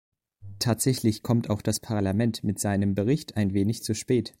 Tatsächlich kommt auch das Parlament mit seinem Bericht ein wenig zu spät.